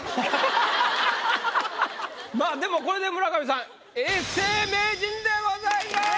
まあでもこれで村上さん永世名人でございます！